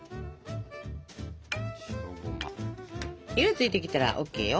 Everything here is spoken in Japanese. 色ついてきたらＯＫよ。